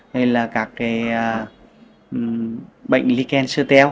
hay là các bệnh lý cancer teo